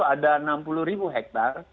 ada enam puluh ribu hektare